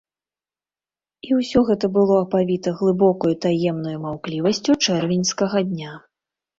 І ўсё гэта было апавіта глыбокаю таемнаю маўклівасцю чэрвеньскага дня.